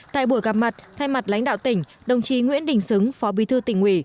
tại buổi gặp mặt thay mặt lãnh đạo tỉnh đồng chí nguyễn đình xứng phó bí thư tỉnh ủy